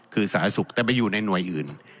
คือสาธารณสุขแต่ไปอยู่ในหน่วยอื่น